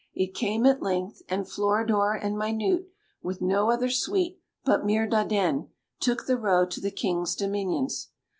It came at length, and Floridor and Minute, with no other suite but Mirdandenne, took the road to the King's dominions.